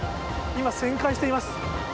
今、旋回しています。